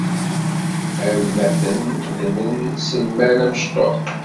Almaten dlen s lmal amecṭuḥ.